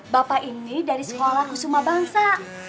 bapak ini dari sekolah kusuma bangsa